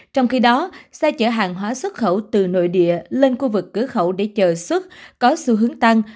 trong khi đó xe chở hàng hóa xuất khẩu từ nội địa lên khu vực cửa khẩu để chờ xuất có xu hướng tăng